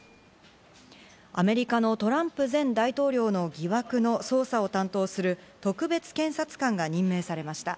アメリカのトランプ前大統領の疑惑の捜査を担当する特別検察官が任命されました。